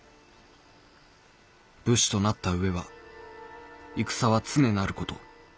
「武士となった上は戦は常なること。